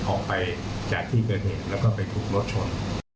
ออกไปจากที่เกิดเหตุแล้วก็ไปถูกรถชน